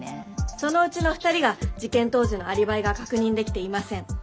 そのうちの２人が事件当時のアリバイが確認できていません。